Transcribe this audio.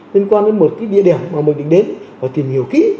liên quan đến một cái địa điểm mà mình định đến và tìm hiểu kỹ